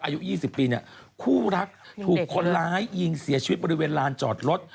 อายุ๒๐ปีเนี่ยคู่รักถูกคนร้ายยิงเสียชีวิตบริเวณลานจอดรถ